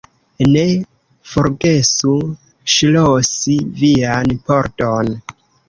Ne forgesu ŝlosi vian pordon.